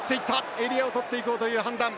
エリアを取っていこうという判断。